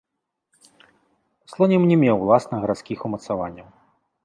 Слонім не меў уласна гарадскіх умацаванняў.